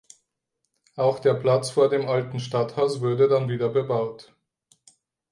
Auch der Platz vor dem Alten Stadthaus würde dann wieder bebaut.